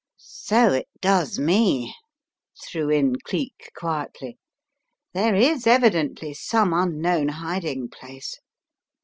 "So it does me," threw in Cleek, quietly. "There is evidently some unknown hiding place.